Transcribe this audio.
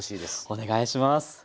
お願いします。